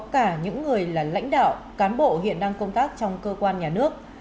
cả những người là lãnh đạo cán bộ hiện đang công tác trong cơ quan nhà nước